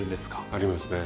ありますね。